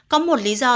có một lý do tại sao